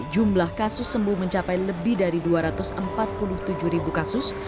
jumlah kasus sembuh mencapai lebih dari dua ratus empat puluh tujuh ribu kasus